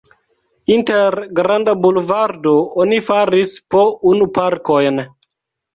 Inter Granda bulvardo oni faris po unu parkojn.